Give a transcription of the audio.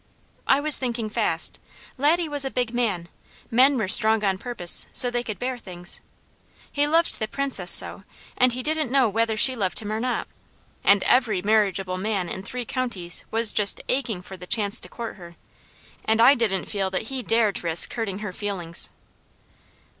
I was thinking fast. Laddie was a big man. Men were strong on purpose so they could bear things. He loved the Princess so, and he didn't know whether she loved him or not; and every marriageable man in three counties was just aching for the chance to court her, and I didn't feel that he dared risk hurting her feelings.